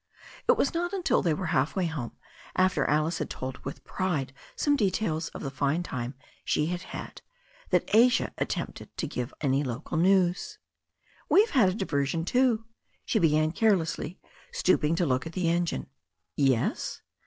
It was not until they were half way home, after Alice had told with pride some details of the fine time she had had, that Asia attempted to give any local news. 'We've had a diversion too," she began carelessly, stoop ing to look at the engine. "Yes?"